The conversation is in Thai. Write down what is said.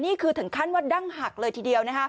นี่คือถึงขั้นว่าดั้งหักเลยทีเดียวนะคะ